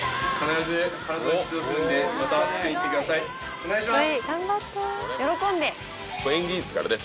お願いします。